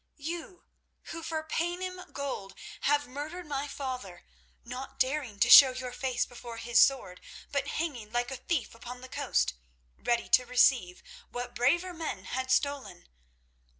You who for Paynim gold have murdered my father, not daring to show your face before his sword, but hanging like a thief upon the coast, ready to receive what braver men had stolen.